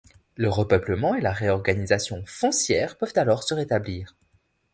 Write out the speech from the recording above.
Le repeuplement et la réorganisation foncière peuvent alors se rétablir.